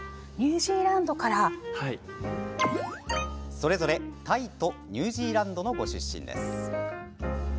それぞれタイとニュージーランドのご出身。